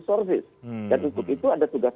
service dan untuk itu ada tugas